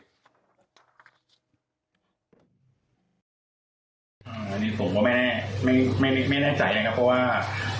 ก็เคยโธ่บท่านไม่ต่อไป